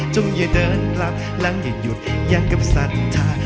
อย่าเดินหลับแล้วอย่าหยุดอย่างกับศรัทธา